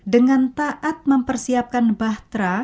dengan taat mempersiapkan bahtera